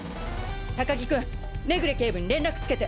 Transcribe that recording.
高木君目暮警部に連絡つけて！